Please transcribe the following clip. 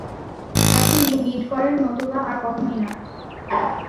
এখনি বিড করেন নতুবা আর কখনোই না।